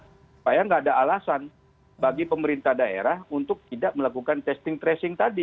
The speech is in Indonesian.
supaya nggak ada alasan bagi pemerintah daerah untuk tidak melakukan testing tracing tadi